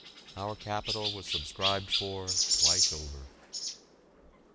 Our capital was subscribed for twice over.